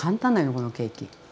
このケーキ。